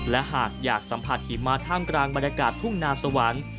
และหากอยากสัมผัสหิมะท่ามกลางบรรยากาศทุ่งนาสวรรค์